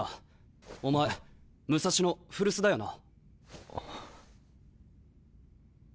お前武蔵野古巣だよな？